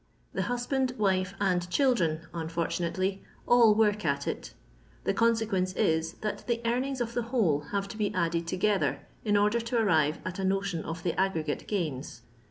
The husband, wife, and children (unfortunately) all work at it. The oonseqneoee is, that the earnings of the whole have to be added together in order to arrive at a notion of the aggregate gains.